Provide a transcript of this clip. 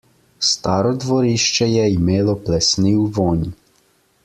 Staro dvorišče je imelo plesniv vonj.